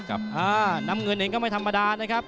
น้ำเงินเองก็ไม่ธรรมดานะครับ